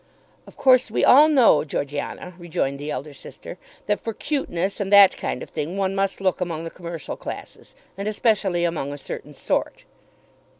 "Of course we all know, Georgiana," rejoined the elder sister, "that for cuteness and that kind of thing one must look among the commercial classes, and especially among a certain sort."